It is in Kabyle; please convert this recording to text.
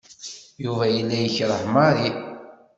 Yuba yella yekreh Mary.